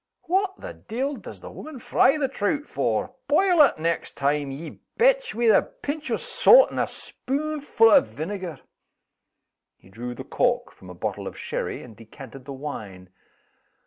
What the de'il does the woman fry the trout for? Boil it next time, ye betch, wi' a pinch o' saut and a spunefu' o' vinegar." He drew the cork from a bottle of sherry, and decanted the wine.